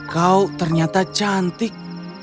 kau ternyata cantik